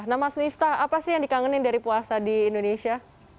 nah mas miftah apa sih yang dikangenin dari puasa di indonesia